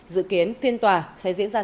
dự kiến phiên tòa sẽ diễn ra trong ba ngày